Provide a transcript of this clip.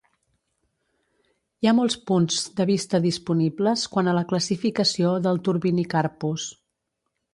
Hi ha molts punts de vista disponibles quant a la classificació del "Turbinicarpus".